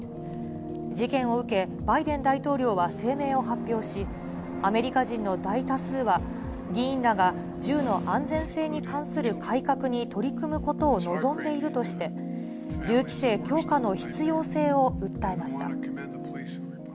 事件を受け、バイデン大統領は声明を発表し、アメリカ人の大多数は、議員らが銃の安全性に関する改革に取り組むことを望んでいるとして、銃規制強化の必要性を訴えました。